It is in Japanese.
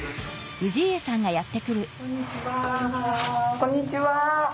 こんにちは。